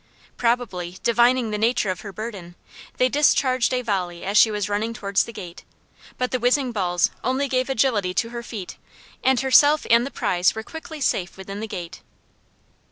Probably, divining the nature of her burden, they discharged a volley as she was running towards the gate, but the whizzing balls only gave agility to her feet, and herself and the prize were quickly safe within the gate.